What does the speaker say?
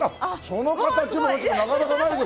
その形なかなかないよ